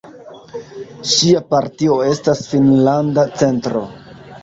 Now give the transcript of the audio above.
Ŝia partio estas Finnlanda Centro.